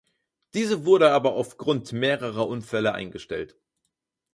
Diese wurde aber auf Grund mehrerer Unfälle eingestellt.